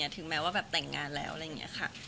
ถึงแม้ว่าแบบแต่งงานแล้วอะไรอย่างนี้ค่ะ